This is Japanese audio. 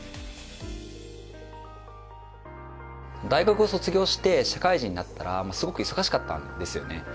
大学を卒業して社会人になったらすごく忙しかったんですよね。